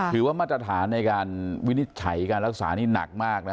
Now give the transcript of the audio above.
ถือว่ามาตรฐานในการวินิจฉัยการรักษานี่หนักมากนะ